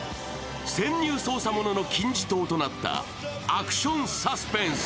潜入捜査物の金字塔となったアクションサスペンス。